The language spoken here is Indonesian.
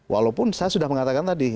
walaupun saya sudah mengatakan tadi